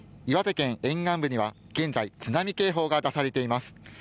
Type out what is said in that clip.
岩手県沿岸部には現在津波警報が出されています。